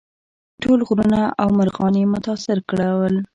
ټول غرونه او مرغان یې متاثر کول.